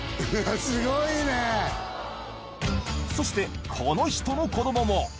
そしてこの人の子どもも！